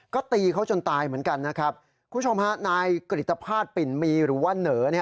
ก็ตีเขาจนตายเหมือนกันนะครับคุณผู้ชมฮะนายกริตภาษณปิ่นมีหรือว่าเหนอ